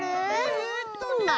えっとね。